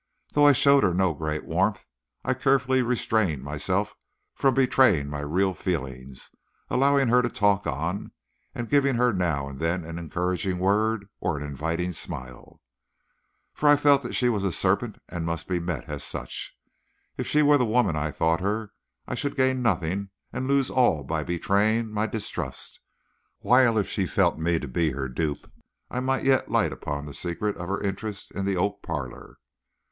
Though I showed her no great warmth, I carefully restrained myself from betraying my real feelings, allowing her to talk on, and giving her now and then an encouraging word or an inviting smile. For I felt that she was a serpent and must be met as such. If she were the woman I thought her, I should gain nothing and lose all by betraying my distrust, while if she felt me to be her dupe I might yet light upon the secret of her interest in the oak parlor.